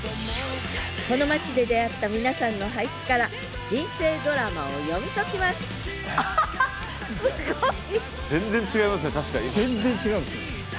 この町で出会った皆さんの俳句から人生ドラマを読み解きますハハッすごい！